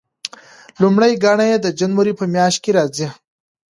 لومړۍ ګڼه یې د جنوري په میاشت کې راځي.